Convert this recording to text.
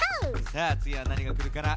さあつぎはなにがくるかな？